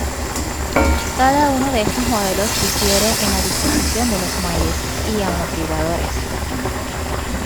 Cada uno de estos modelos difiere en la disposición de los muelles y amortiguadores.